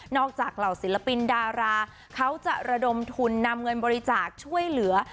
จากเหล่าศิลปินดาราเขาจะระดมทุนนำเงินบริจาคช่วยเหลือ